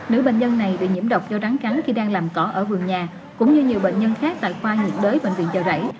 nếu bệnh nhân này bị nhiễm độc do rắn cắn khi đang làm cỏ ở vườn nhà cũng như nhiều bệnh nhân khác tại khoa nhiệt đới bệnh viện chờ rảy